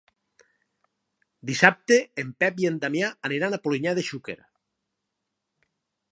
Dissabte en Pep i en Damià aniran a Polinyà de Xúquer.